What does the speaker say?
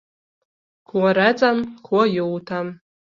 Ko redzam, ko jūtam.